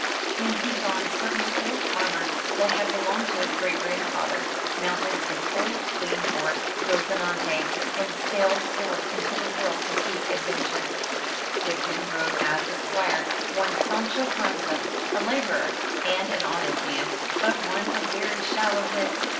Then he donned certain old armour that had belonged to his great grandfather, mounted his old lean horse, Rozinante, and sallied forth into the world to seek adventure. 90 FROM THE TOWER WINDOW With him rode as his squire, one Sancho Panza, a labourer, and an honest man, but one of very shallow wit.